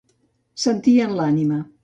Sentir en l'ànima.